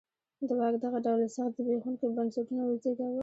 د واک دغه ډول سخت زبېښونکي بنسټونه وزېږول.